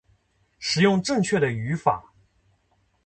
使用正确的语法